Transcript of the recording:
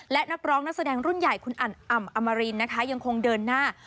และนักร้องนักแสดงรุ่นใหญ่คุณอันอ่ำอมรินนะคะยังคงเดินหน้า